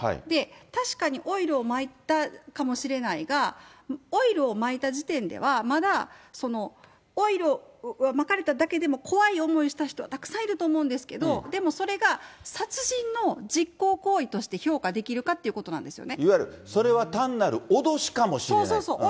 確かにオイルをまいたかもしれないが、オイルをまいた時点では、まだ、オイルはまかれただけでも、怖い思いした人はたくさんいたと思うんですけど、でもそれが殺人の実行行為として評価できるかっていうことなんでいわゆるそれは単なる脅しかそうそうそう。